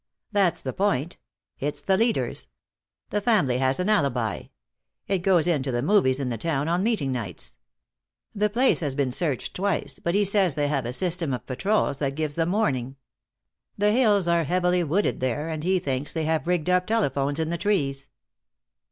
"That's the point. It's the leaders. The family has an alibi. It goes in to the movies in the town on meeting nights. The place has been searched twice, but he says they have a system of patrols that gives them warning. The hills are heavily wooded there, and he thinks they have rigged up telephones in the trees."